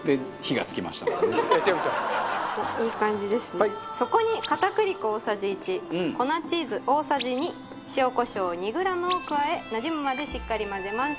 奈緒：そこに、片栗粉、大さじ１粉チーズ、大さじ２塩コショウ、２ｇを加えなじむまで、しっかり混ぜます。